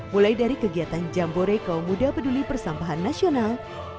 mulai dari kegiatan jamboreko mudah peduli persambahan nasional